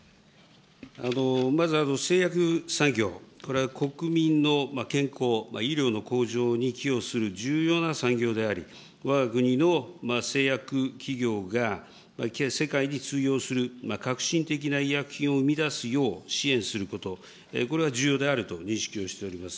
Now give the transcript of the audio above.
まず、製薬産業、これは国民の健康、医療の向上に寄与する重要な産業であり、わが国の製薬企業が世界に通用する革新的な医薬品を生み出すよう支援すること、これが重要であるというふうに認識をしております。